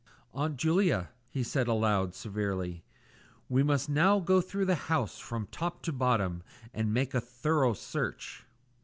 "Aunt Julia," he said aloud, severely, "we must now go through the house from top to bottom and make a thorough search."